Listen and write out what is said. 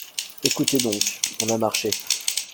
Écoutez donc, on a marché.